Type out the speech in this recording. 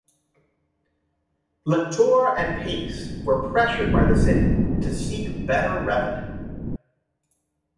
Lectoure and Pace were pressured by the city to seek better revenue.